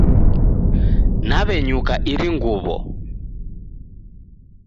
Naw'enyuka iri nguw'o